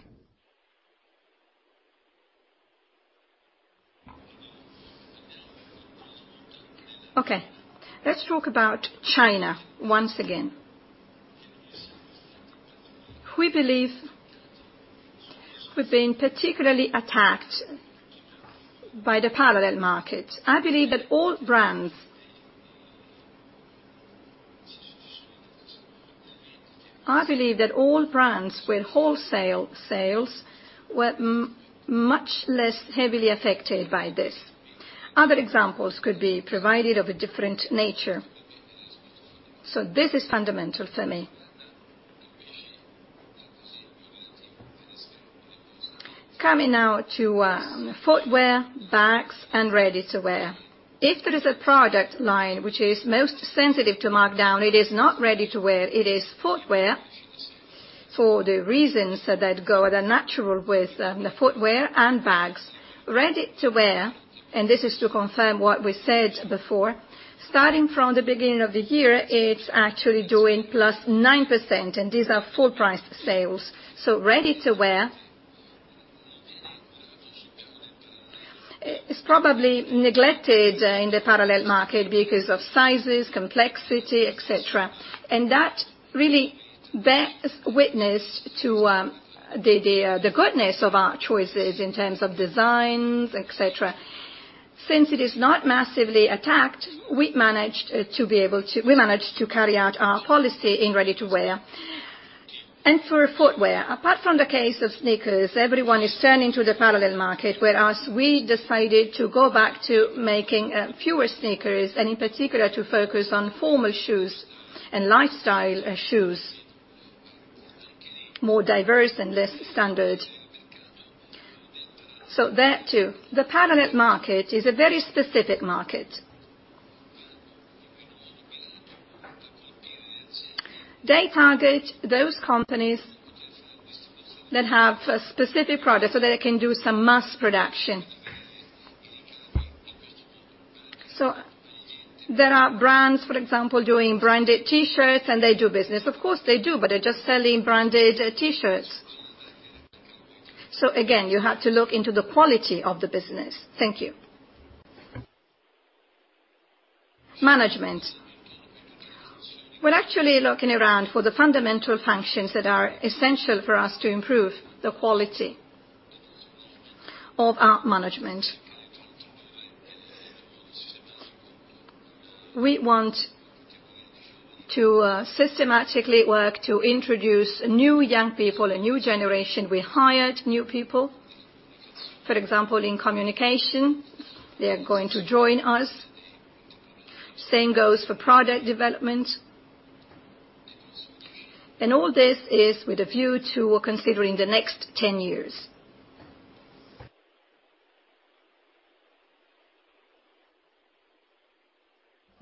Okay. Let's talk about China once again. We believe we've been particularly attacked by the parallel market. I believe that all brands with wholesale sales were much less heavily affected by this. Other examples could be provided of a different nature. This is fundamental for me. Coming now to footwear, bags, and ready-to-wear. If there is a product line which is most sensitive to markdown, it is not ready-to-wear, it is footwear for the reasons that go natural with the footwear and bags. Ready-to-wear, this is to confirm what we said before, starting from the beginning of the year, it's actually doing +9%, and these are full-price sales. Ready-to-wear is probably neglected in the parallel market because of sizes, complexity, et cetera. That really bears witness to the goodness of our choices in terms of designs, et cetera. Since it is not massively attacked, we managed to carry out our policy in ready-to-wear. For footwear, apart from the case of sneakers, everyone is turning to the parallel market, whereas we decided to go back to making fewer sneakers, and in particular, to focus on formal shoes and lifestyle shoes, more diverse and less standard. There, too. The parallel market is a very specific market. They target those companies that have a specific product so that they can do some mass production. There are brands, for example, doing branded T-shirts, and they do business. Of course, they do, but they're just selling branded T-shirts. Again, you have to look into the quality of the business. Thank you. Management. We're actually looking around for the fundamental functions that are essential for us to improve the quality of our management. We want to systematically work to introduce new young people, a new generation. We hired new people. For example, in communication, they are going to join us. Same goes for product development. All this is with a view to considering the next 10 years.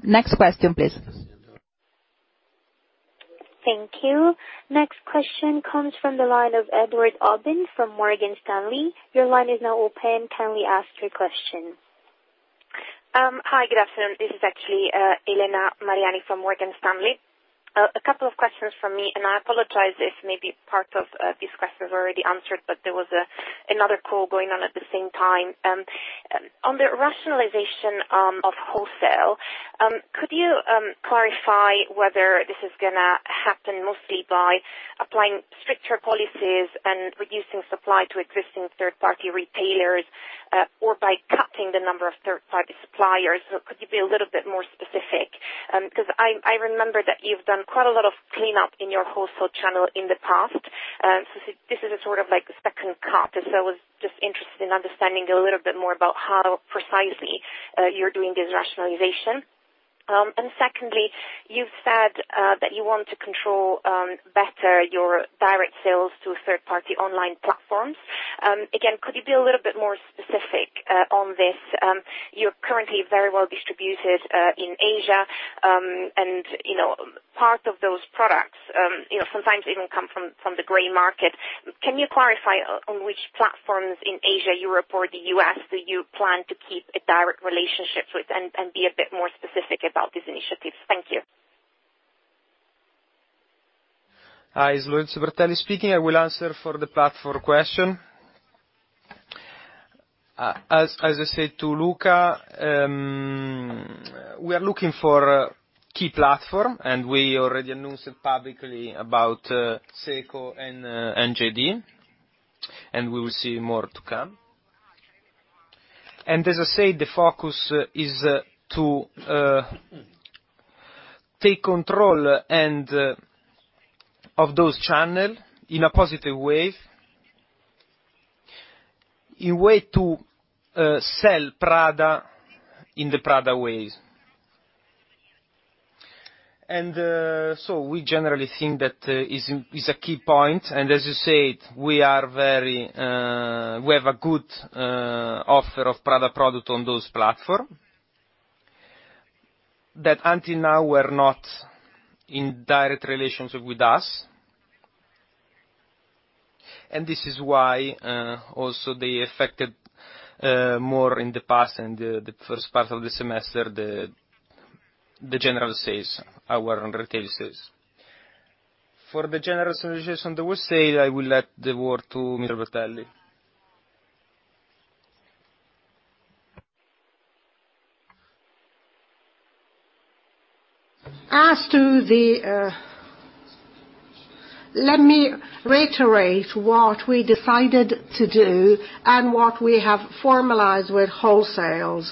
Next question, please. Thank you. Next question comes from the line of Edouard Aubin from Morgan Stanley. Your line is now open. Kindly ask your question. Hi. Good afternoon. This is actually Elena Mariani from Morgan Stanley. A couple of questions from me. I apologize if maybe parts of these questions were already answered. There was another call going on at the same time. On the rationalization of wholesale, could you clarify whether this is going to happen mostly by applying stricter policies and reducing supply to existing third-party retailers, or by cutting the number of third-party suppliers? Could you be a little bit more specific? I remember that you've done quite a lot of cleanup in your wholesale channel in the past. This is a sort of second cut. I was just interested in understanding a little bit more about how precisely you're doing this rationalization. Secondly, you've said that you want to control better your direct sales to third-party online platforms. Could you be a little bit more specific on this? You're currently very well distributed in Asia, and part of those products sometimes even come from the gray market. Can you clarify on which platforms in Asia, Europe, or the U.S. do you plan to keep a direct relationship with, and be a bit more specific about this initiative? Thank you. Hi. It's Lorenzo Bertelli speaking. I will answer for the platform question. As I said to Luca, we are looking for a key platform, and we already announced publicly about Secoo and JD.com, and we will see more to come. As I said, the focus is to Take control of those channel in a positive way, in a way to sell Prada in the Prada ways. We generally think that it's a key point, and as you said, we have a good offer of Prada product on those platform. That until now were not in direct relationship with us. This is why, also they affected, more in the past and the first part of the semester, the general sales, our retail sales. For the general solution, they will say, I will let the word to Mr. Bertelli. Let me reiterate what we decided to do and what we have formalized with wholesales.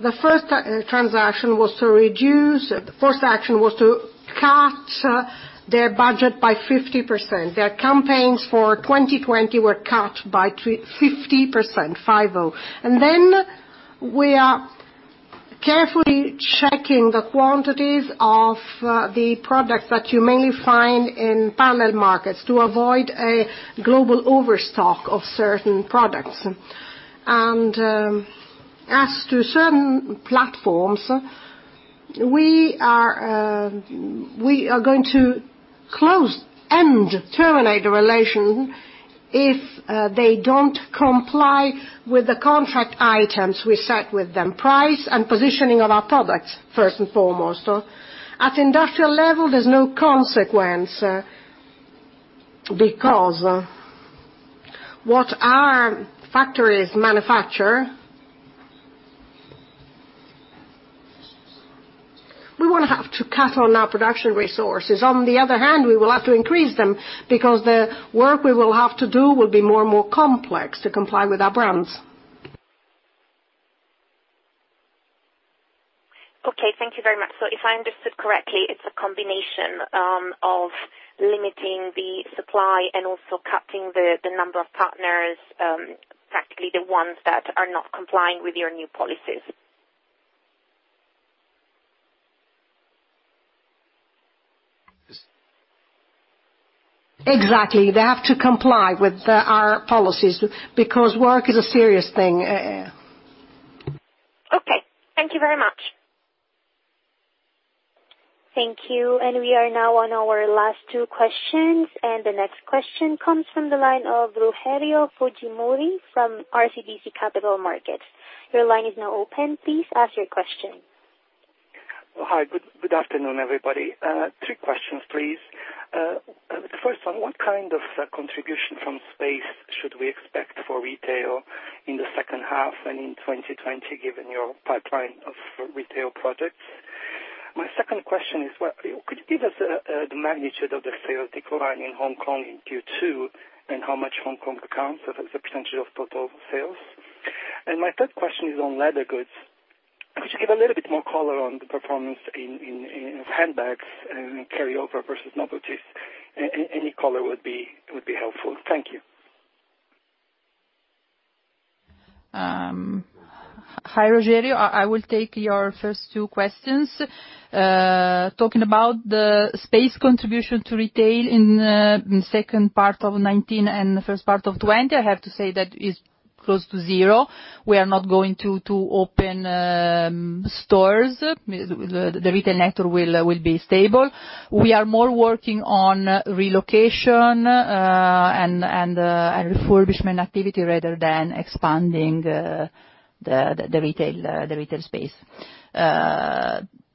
The first action was to cut their budget by 50%. Their campaigns for 2020 were cut by 50%, 50. Then we are carefully checking the quantities of the products that you mainly find in parallel markets to avoid a global overstock of certain products. As to certain platforms, we are going to close and terminate the relation if they don't comply with the contract items we set with them. Price and positioning of our products, first and foremost. At industrial level, there's no consequence because what our factories manufacture, we wouldn't have to cut on our production resources. On the other hand, we will have to increase them because the work we will have to do will be more and more complex to comply with our brands. Okay, thank you very much. If I understood correctly, it's a combination of limiting the supply and also cutting the number of partners, practically the ones that are not complying with your new policies. Exactly. They have to comply with our policies because work is a serious thing. Okay. Thank you very much. Thank you. We are now on our last two questions. The next question comes from the line of Rogerio Fujimori from RBC Capital Markets. Your line is now open. Please ask your question. Hi. Good afternoon, everybody. Three questions, please. The first one, what kind of contribution from space should we expect for retail in the second half and in 2020, given your pipeline of retail projects? My second question is, could you give us the magnitude of the sales decline in Hong Kong in Q2 and how much Hong Kong accounts as a % of total sales? My third question is on leather goods. Could you give a little bit more color on the performance in handbags and carryover versus novelties? Any color would be helpful. Thank you. Hi, Rogerio. I will take your first two questions. Talking about the space contribution to retail in the second part of 2019 and the first part of 2020, I have to say that it's close to zero. We are not going to open stores. The retail network will be stable. We are more working on relocation, and refurbishment activity rather than expanding the retail space.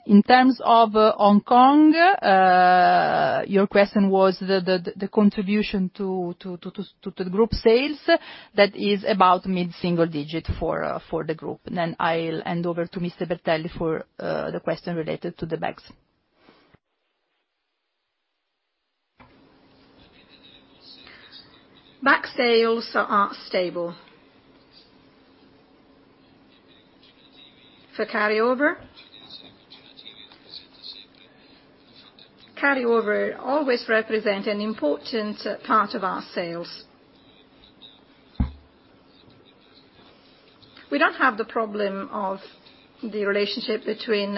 In terms of Hong Kong, your question was the contribution to the group sales, that is about mid-single digit for the group. I'll hand over to Mr. Bertelli for the question related to the bags. Bag sales are stable. For carryover always represent an important part of our sales. We don't have the problem of the relationship between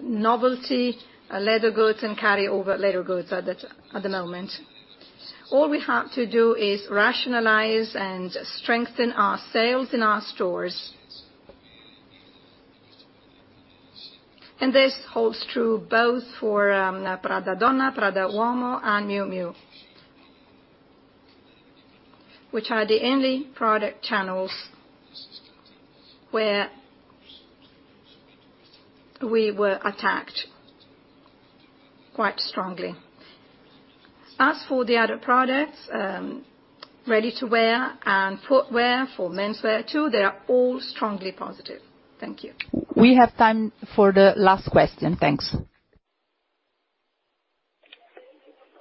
novelty leather goods and carryover leather goods at the moment. All we have to do is rationalize and strengthen our sales in our stores. This holds true both for Prada Donna, Prada Uomo, and Miu Miu, which are the only product channels where we were attacked quite strongly. As for the other products, ready-to-wear and footwear for menswear too, they are all strongly positive. Thank you. We have time for the last question. Thanks.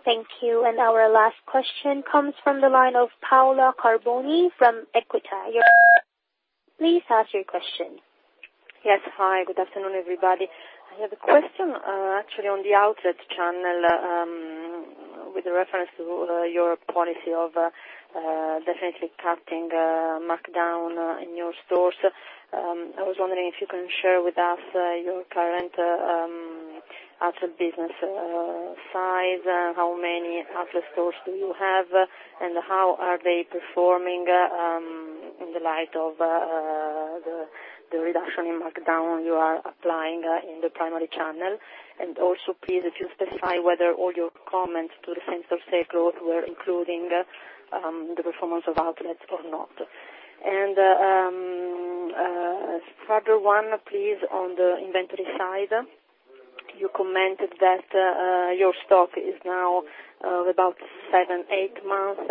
Thank you. Our last question comes from the line of Paola Carboni from Equita. Please ask your question. Yes. Hi, good afternoon, everybody. I have a question on the outlet channel with reference to your policy of definitely cutting markdown in your stores. I was wondering if you can share with us your current outlet business size, how many outlet stores do you have, and how are they performing in the light of the reduction in markdown you are applying in the primary channel? Please, if you specify whether all your comments to the same same-store sales growth were including the performance of outlets or not. Further one, please, on the inventory side. You commented that your stock is now about seven, eight months.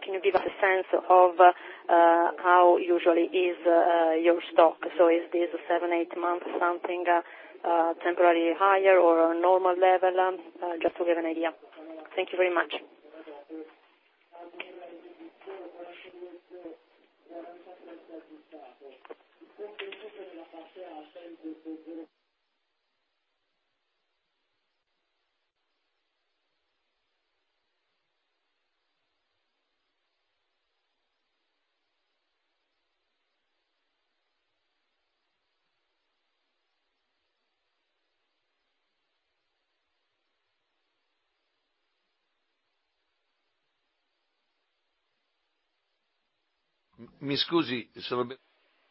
Can you give us a sense of how usually is your stock? Is this seven, eight months something temporarily higher or a normal level? Just to give an idea. Thank you very much.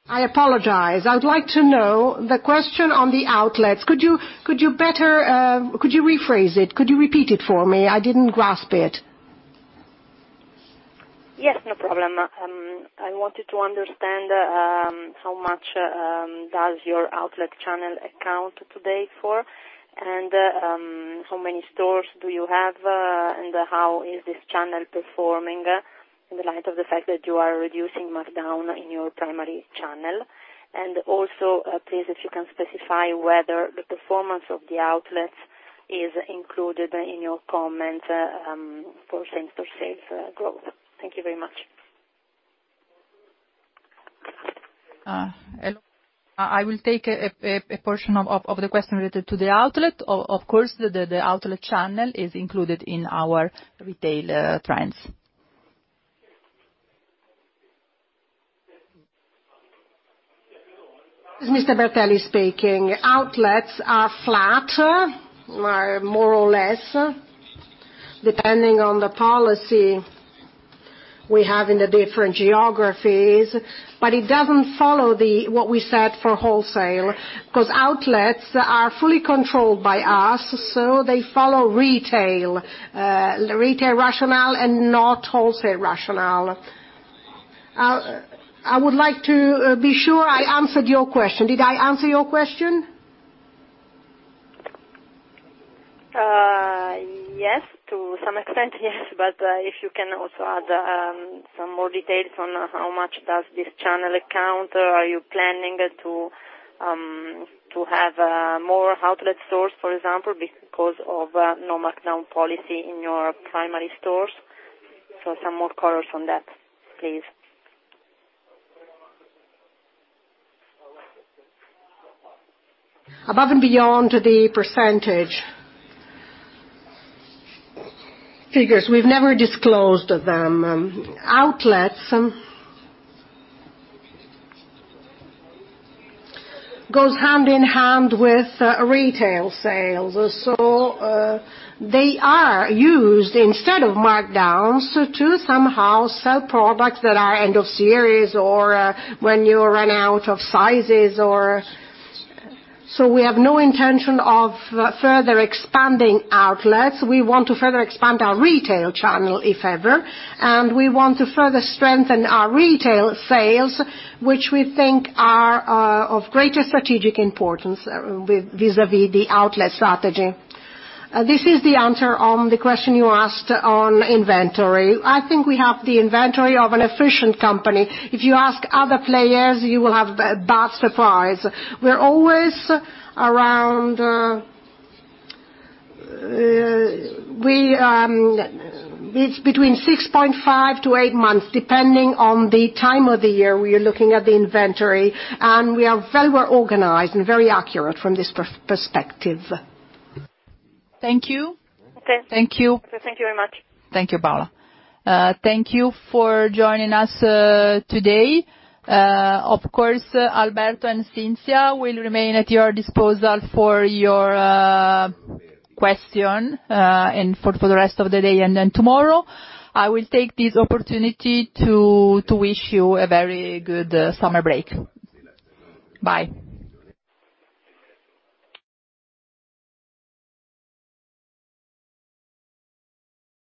I apologize. I would like to know the question on the outlets. Could you rephrase it? Could you repeat it for me? I didn't grasp it. Yes, no problem. I wanted to understand, how much does your outlet channel account today for, and how many stores do you have, and how is this channel performing in the light of the fact that you are reducing markdown in your primary channel? Also, please, if you can specify whether the performance of the outlets is included in your comment for same-store sales growth. Thank you very much. Hello. I will take a portion of the question related to the outlet. Of course, the outlet channel is included in our retail trends. This is Mr. Bertelli speaking. Outlets are flat, more or less, depending on the policy we have in the different geographies. It doesn't follow what we set for wholesale, because outlets are fully controlled by us, so they follow retail rationale and not wholesale rationale. I would like to be sure I answered your question. Did I answer your question? Yes, to some extent, yes. If you can also add some more details on how much does this channel account? Are you planning to have more outlet stores, for example, because of no markdown policy in your primary stores? Some more colors on that, please. Above and beyond the percentage figures, we've never disclosed them. Outlets goes hand in hand with retail sales. They are used instead of markdowns to somehow sell products that are end of series or when you run out of sizes. We have no intention of further expanding outlets. We want to further expand our retail channel, if ever. We want to further strengthen our retail sales, which we think are of greater strategic importance vis-a-vis the outlet strategy. This is the answer on the question you asked on inventory. I think we have the inventory of an efficient company. If you ask other players, you will have vast surprise. It's between 6.5 months-8 months, depending on the time of the year we are looking at the inventory. We are very well organized and very accurate from this perspective. Thank you. Okay. Thank you. Thank you very much. Thank you, Paola. Thank you for joining us today. Of course, Alberto and Cinzia will remain at your disposal for your question, and for the rest of the day and then tomorrow. I will take this opportunity to wish you a very good summer break. Bye.